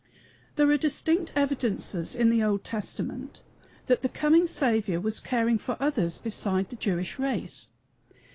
There are distinct evidences in the Old Testament that the coming Saviour was caring for others beside the Jewish race.